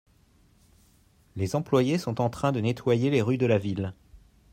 Les employés sont en train de nettoyer les rues de la ville.